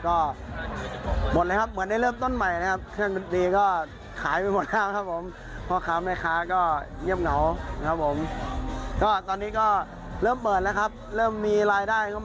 เขาเรียกว่าอะไร